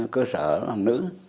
cơ sở hồng nữ